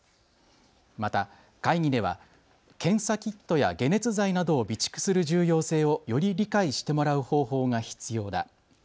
また会議では検査キットや解熱剤などを備蓄する重要性をより理解してもらう方法が必要だ。